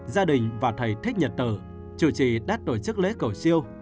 gia đình và thầy thích nhận tờ chủ trì đắt tổ chức lễ cầu siêu